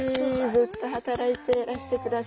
ずっと働いてらしてください。